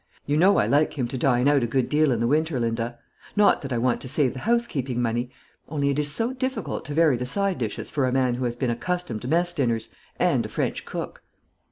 You know I like him to dine out a good deal in the winter, Linda; not that I want to save the housekeeping money, only it is so difficult to vary the side dishes for a man who has been accustomed to mess dinners, and a French cook."